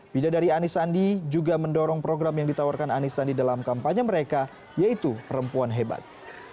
bidadari anies sandi juga mendorong program yang ditawarkan anies sandi dalam kampanye mereka yaitu perempuan hebat